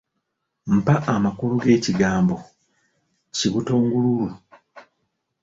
Mpa amakulu g'ekigambo kibutongululu.